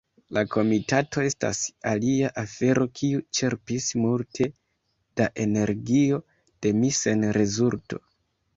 La komitato estas alia afero kiu ĉerpis multe da energio de mi sen rezulto.